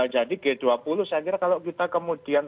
jadi g dua puluh saya kira kalau kita kemudian